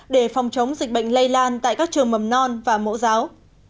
để phòng chống dịch bệnh lây lan tại các trường mầm non và mẫu giáo